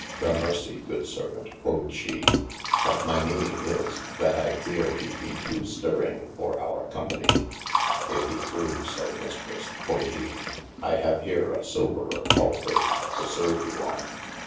Gramercye good servaunte (quod shee) but my meanyng is, that I feare he be to stirring for our copany. If he prove so mistres (quod he) I have here a soberer palfray to serve you on.